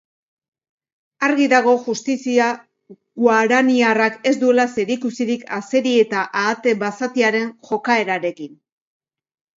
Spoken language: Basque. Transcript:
Argi dago justizia guaraniarrak ez duela zerikusirik azeri eta ahate basatiaren jokaerarekin.